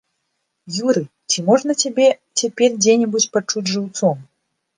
Юрый, ці можна цябе цяпер дзе-небудзь пачуць жыўцом?